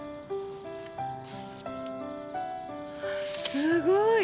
すごい！